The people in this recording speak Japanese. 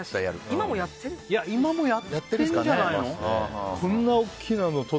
今もやってるんじゃないの？